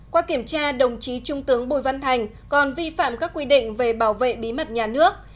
qua kiểm tra đồng chí trung tướng bùi văn thành còn vi phạm các quy định về bảo vệ bí mật nhà nước